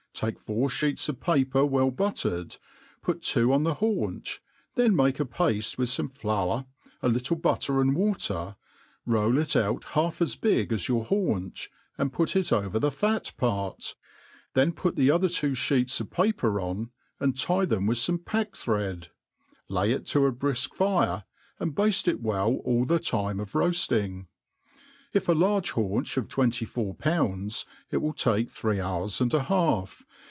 take fpur (heets of paper well buttcfcd, puf tyfo on th^ fiayncli ;. theo q[}ake a p;ifte with fome flour, a ^ijtl^ t>Mtter find water ; roll it out half as big as your h^unph^ ' ^^d 'put it over the f^t part, then put tUe other two (lieetjs of Papier on, and tie them with fome p^ck thread ; lay it to a bpijk ^fi, af]fl baftp it we}l all the time of roafting ; if a largjcr I^aunf;h of twenty four pounds it will t^ke three hours ^nd an hj^lf.